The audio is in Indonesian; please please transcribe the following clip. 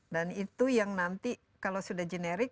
dan itu yang nanti kalau sudah generik